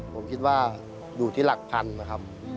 ผมคิดว่าอยู่ที่หลักพันนะครับ